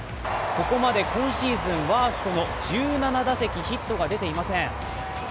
ここまで今シーズンワーストの１７打席ヒットが出ていません。